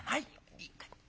いいかい？